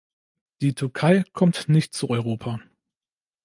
Die Türkei kommt nicht zu Europa.